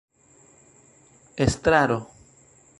estraro